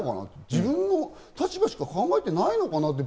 自分の立場しか考えてないのかなって